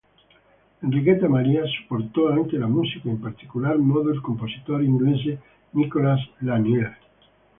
Enrichetta Maria supportò anche la musica, in particolar modo il compositore inglese Nicholas Lanier.